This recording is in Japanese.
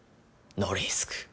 ノーリスク。